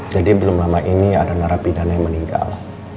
jadi belum lama ini ada narapidana yang meninggal